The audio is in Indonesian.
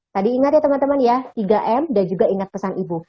tadi ingat ya teman teman ya tiga m dan juga ingat pesan ibu